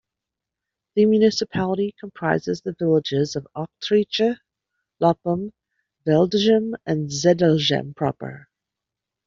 The municipality comprises the villages of Aartrijke, Loppem, Veldegem and Zedelgem proper.